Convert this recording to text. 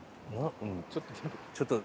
ちょっと。